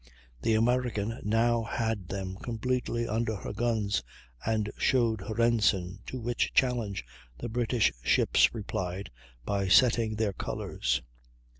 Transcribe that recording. The American now had them completely under her guns and showed her ensign, to which challenge the British ships replied by setting their colors.